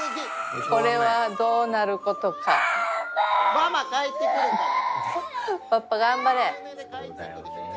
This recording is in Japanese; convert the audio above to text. ママ帰ってくるから。